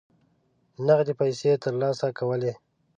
نغدي پیسې ترلاسه کولې.